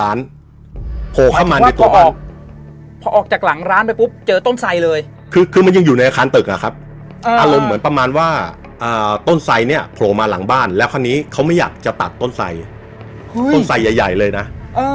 อ่าต้นไซด์เนี่ยโผล่มาหลังบ้านแล้วคราวนี้เขาไม่อยากจะตัดต้นไซด์อุ้ยต้นไซด์ใหญ่ใหญ่เลยนะเออเออ